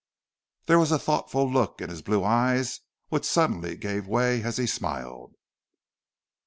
There was a thoughtful look in his blue eyes which suddenly gave way as he smiled.